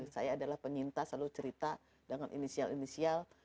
saya adalah penyintas selalu cerita dengan inisial inisial